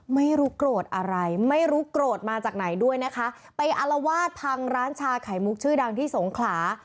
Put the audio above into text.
ไม่รู้โกรธอะไรไม่รู้โกรธมาจากไหนด้วยนะคะไปอารวาสพังร้านชาไข่มุกชื่อดังที่สงขลา